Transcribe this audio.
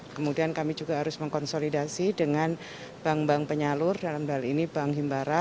kemudian kami juga harus mengkonsolidasi dengan bank bank penyalur dalam hal ini bank himbara